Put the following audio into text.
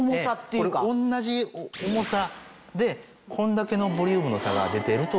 これ同じ重さでこんだけのボリュームの差が出てるということ。